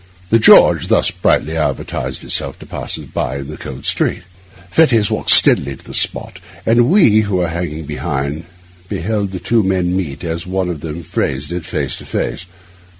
The George thus brightly advertised itself to passers by in the cold street. Fettes walked steadily to the spot, and we, who were hanging behind, beheld the two men meet, as one of them had phrased it, face to face.